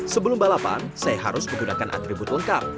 sebelum balapan saya harus menggunakan atribut lengkap